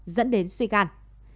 dẫn đến suy gan